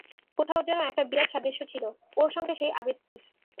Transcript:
কোথাও যেন একটা বিরাট সাদৃশ্য ছিল ওর সঙ্গে সেই আবৃত্তির।